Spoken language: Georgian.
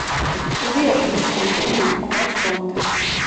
სტუდიაში მისული ბონემი კვლავ სვამდა.